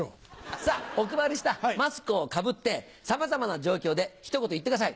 さぁお配りしたマスクをかぶってさまざまな状況で一言言ってください。